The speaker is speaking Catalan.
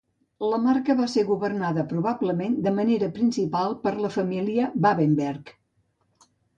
La marca va ser governada probablement de manera principal per la família Babenberg.